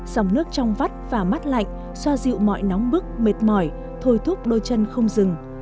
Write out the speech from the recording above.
dòng nước trong vắt và mắt lạnh xoa dịu mọi nóng bức mệt mỏi thổi thúc đôi chân không dừng